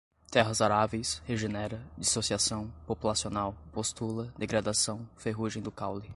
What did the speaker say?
terras aráveis, regenera, dissociação, populacional, postula, degradação, ferrugem do caule